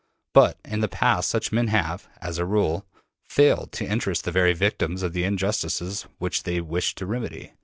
But in the past such men have, as a rule, failed to interest the very victims of the injustices which they wished to remedy.